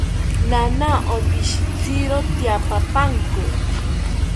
Naana opishitziro tyaapapanko